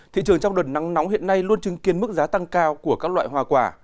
thị trường trong đợt nắng nóng hiện nay luôn chứng kiến mức giá tăng cao của các loại hoa quả